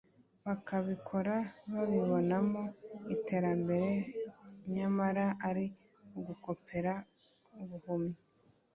bakabikora babibonamo iterambere nyamara ‘ari ugukopera buhumyi’